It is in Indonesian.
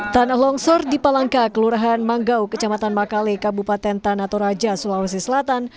tanah longsor di palangka kelurahan manggau kecamatan makale kabupaten tanah toraja sulawesi selatan